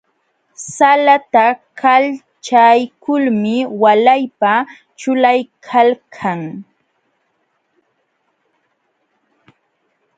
Salata kalchaykulmi walaypa ćhulaykalkan.